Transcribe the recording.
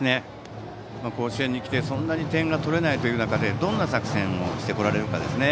甲子園にきてそんなに点が取れない中でどんな作戦をしてこられるかですね。